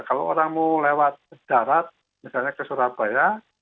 kalau orang mau lewat darat misalnya ke surabaya